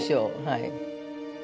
はい。